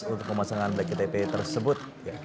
untuk pemasangan bktp tersebut